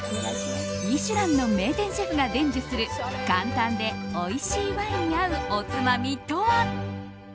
「ミシュラン」の名店シェフが伝授する簡単でおいしいワインに合うおつまみとは。